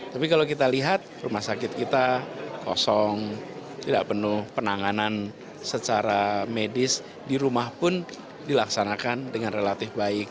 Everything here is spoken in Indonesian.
tapi kalau kita lihat rumah sakit kita kosong tidak penuh penanganan secara medis di rumah pun dilaksanakan dengan relatif baik